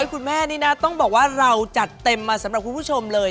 คุณแม่นี่นะต้องบอกว่าเราจัดเต็มมาสำหรับคุณผู้ชมเลย